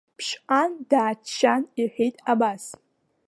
Ԥшьҟан дааччан, иҳәеит абас.